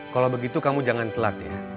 kalau begitu kamu jangan telat ya